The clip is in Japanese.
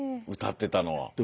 歌ってたのは。